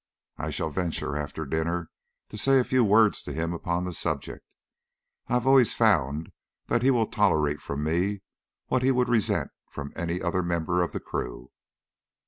I shall venture after dinner to say a few words to him upon the subject. I have always found that he will tolerate from me what he would resent from any other member of the crew.